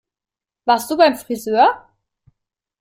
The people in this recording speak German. Warst du beim Frisör?